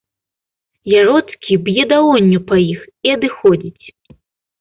Яроцкі б'е далонню па іх і адыходзіць.